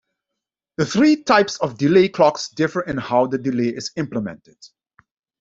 The three types of delay clocks differ in how the delay is implemented.